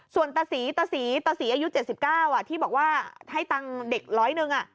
ส่วนตะศรีตะศรีตะศรีอายุ๗๙ที่บอกว่าให้ตังค์เด็กร้อยหนึ่ง